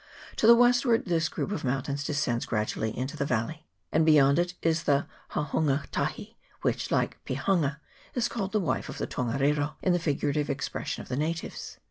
To the westward this group of mountains descends gradually into the valley, and beyond it is the Hauhunga tahi, which, like the Pihanga, is called the "wife" of the Tongariro in the figurative ex pression of the natives.